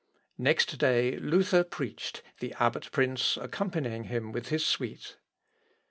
Next day, Luther preached, the abbot prince accompanying him with his suite.